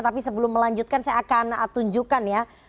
tapi sebelum melanjutkan saya akan tunjukkan ya